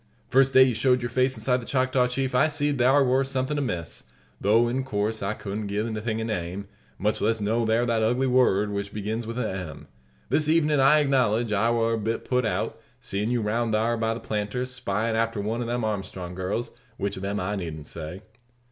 First day you showed your face inside the Choctaw Chief I seed thar war something amiss; tho', in course, I couldn't gie the thing a name, much less know 'thar that ugly word which begins with a M. This evenin', I acknowledge, I war a bit put out seein' you round thar by the planter's, spyin' after one of them Armstrong girls; which of them I needn't say."